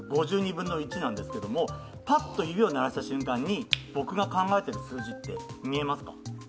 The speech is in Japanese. ５２分の１なんですけども、パッと指を鳴らした瞬間に僕が考えてる数字って見えますか？